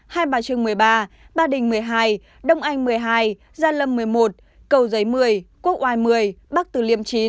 hai bà trưng một mươi ba ba đình một mươi hai đông anh một mươi hai gia lâm một mươi một cầu giấy một mươi quốc oai một mươi bắc tử liêm chín